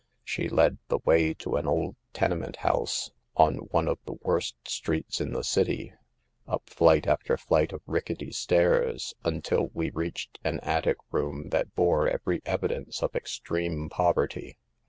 44 She led the way to an old tenement house, »n one of the worst streets in the city, up THE PERILS OF POVERTY. 145 flight after flight of rickety stairs, until we reached an attic room that bore every evidence of extreme poverty.